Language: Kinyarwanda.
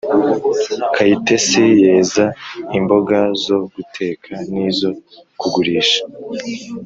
kayitesi yeza imboga zo guteka n’izo kugurisha.